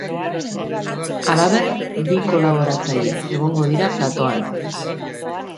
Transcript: Halaber, bi kolaboratzaile egongo dira platoan.